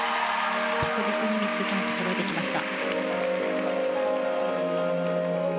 確実に３つジャンプをそろえてきました。